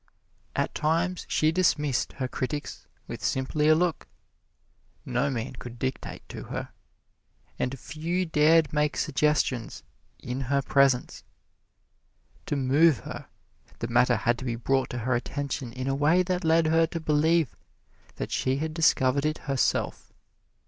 At times she dismissed her critics with simply a look. No man could dictate to her, and few dared make suggestions in her presence. To move her, the matter had to be brought to her attention in a way that led her to believe that she had discovered it herself.